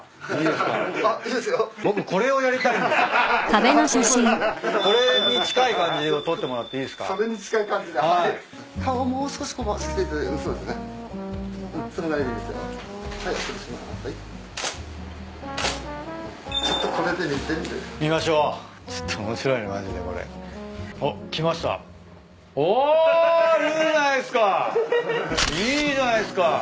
あいいじゃないっすか！